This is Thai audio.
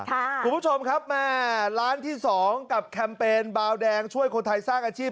คุณผู้ชมครับแม่ร้านที่๒กับแคมเปญบาวแดงช่วยคนไทยสร้างอาชีพ